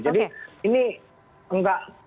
jadi ini enggak